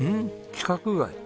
規格外。